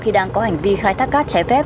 khi đang có hành vi khai thác cát trái phép